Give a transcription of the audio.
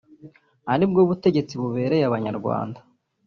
aribwo butegetsi bubereye abanyarwanda